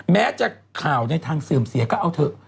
แม้จะข่าวในทางเสื่อมเสียก็เอาเถอะ